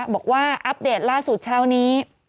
บอกว่าอัปเดตล่าสุดเช้านี้